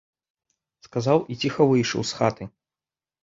Сказаў і ціха выйшаў з хаты.